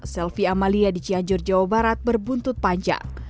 selvi amalia di cianjur jawa barat berbuntut panjang